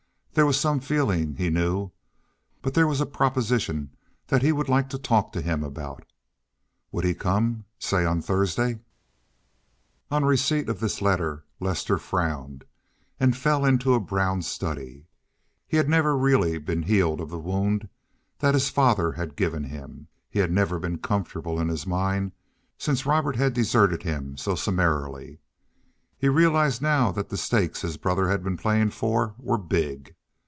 There was some feeling he knew, but there was a proposition he would like to talk to him about. Would he come, say, on Thursday? On the receipt of this letter Lester frowned and fell into a brown study. He had never really been healed of the wound that his father had given him. He had never been comfortable in his mind since Robert had deserted him so summarily. He realized now that the stakes his brother had been playing for were big.